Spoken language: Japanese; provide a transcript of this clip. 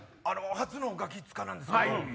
初の『ガキ使』なんですけど。